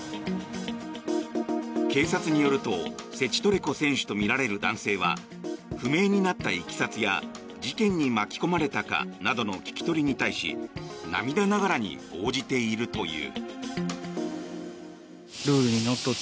警察によるとセチトレコ選手とみられる男性は不明になったいきさつや事件に巻き込まれたかなどの聞き取りに対し涙ながらに応じているという。